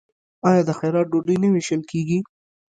آیا د خیرات ډوډۍ نه ویشل کیږي؟